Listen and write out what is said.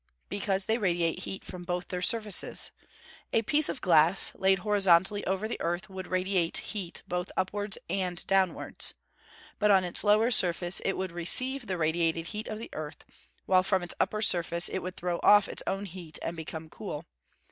_ Because they radiate heat from both their surfaces. A piece of glass, laid horizontally over the earth, would radiate heat both upwards and downwards. But on its lower surface it would receive the radiated heat of the earth, while from its upper surface it would throw off its own heat and become cool.